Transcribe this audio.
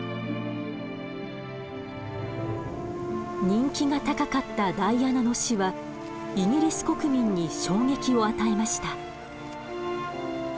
人気が高かったダイアナの死はイギリス国民に衝撃を与えました。